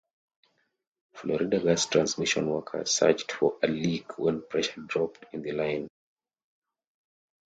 Florida Gas Transmission workers searched for a leak when pressure dropped in the line.